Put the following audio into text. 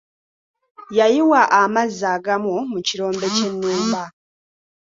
Yayiwa amazzi agamu mu kirombe ky'ennumba.